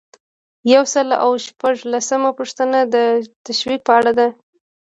یو سل او شپږلسمه پوښتنه د تشویق په اړه ده.